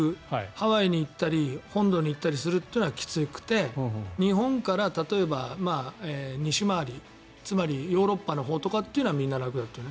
ハワイに行ったり本土に行ったりするのはきつくて日本から例えば西回りヨーロッパのほうとかというのはみんな楽だという。